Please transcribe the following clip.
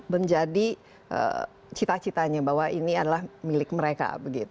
menjadi cita citanya bahwa ini adalah milik mereka